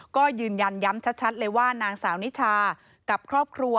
ก็ยืนยันย้ำชัดเลยว่านางสาวนิชากับครอบครัว